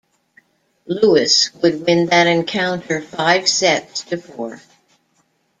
Lewis would win that encounter five sets to four.